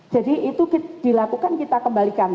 jadi itu dilakukan kita kembalikan